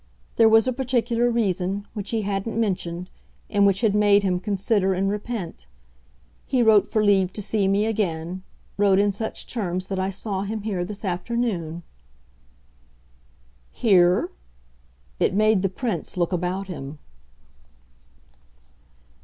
There was a particular reason, which he hadn't mentioned, and which had made him consider and repent. He wrote for leave to see me again wrote in such terms that I saw him here this afternoon." "Here?" it made the Prince look about him.